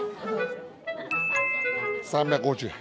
３５０円。